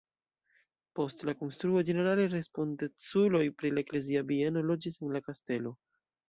Post la konstruo ĝenerale respondeculoj pri la eklezia bieno loĝis en la kastelo.